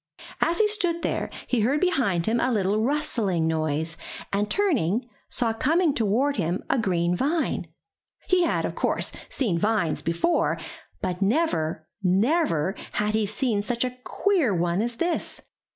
As he stood there, he heard behind him a little rustling noise, and turning, saw coming toward him a green vine. He had, of course, seen vines before, but never, never had he seen such a queer one as this.